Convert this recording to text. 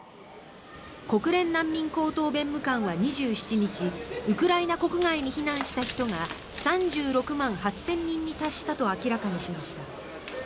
国連難民高等弁務官は２７日ウクライナ国外に避難した人が３６万８０００人に達したと明らかにしました。